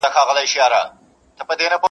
نو پوهېږم چي غویی دی درېدلی-